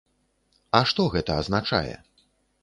А што гэта азначае?